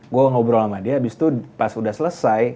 gue ngobrol sama dia abis itu pas udah selesai